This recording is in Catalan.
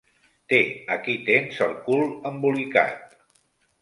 Té, aquí tens el cul embolicat.